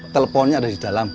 teleponnya ada di dalam